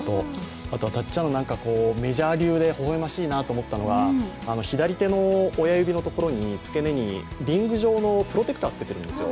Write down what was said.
あと、メジャー流で微笑ましいなと思ったのが左手の親指のところ、付け根にリング状のプロテクターをつけているんですよ。